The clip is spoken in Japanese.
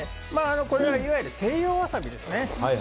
いわゆる西洋ワサビですね。